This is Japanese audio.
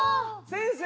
先生！